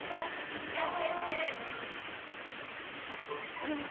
これはっ！